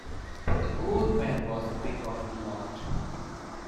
But the old man was the pick of the lot.